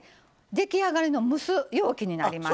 出来上がりの蒸す容器になります。